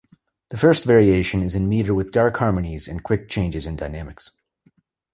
The first variation is in meter with darker harmonies and quick changes in dynamics.